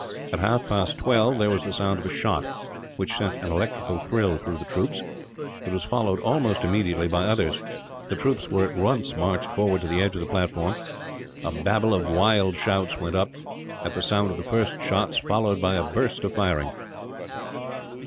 At half past twelve there was the sound of a shot, which sent an electrical thrill through the troops. It was followed almost immediately by others. The troops were at once marched forward to the edge of the platform. A babel of wild shouts went up at the sound of the first shots, followed by a burst of firing.